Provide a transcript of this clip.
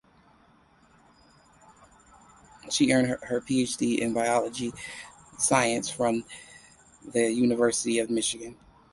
She earned her PhD in Biological Sciences from the University of Michigan.